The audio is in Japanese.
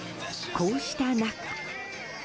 こうした中。